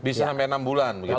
bisa sampai enam bulan begitu